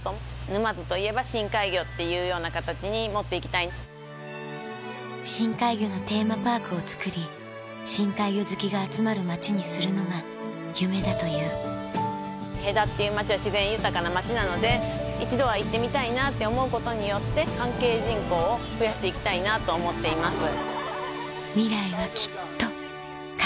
「沼津といえば深海魚」っていうような形に持って行きたい。をつくりにするのが夢だという戸田っていう町は自然豊かな町なので一度は行ってみたいなって思うことによって関係人口を増やして行きたいなと思っています。